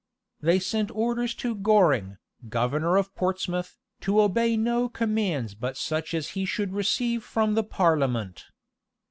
They sent orders to Goring, governor of Portsmouth, to obey no commands but such as he should receive from the parliament.